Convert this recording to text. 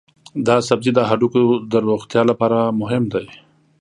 دا سبزی د هډوکو د روغتیا لپاره مهم دی.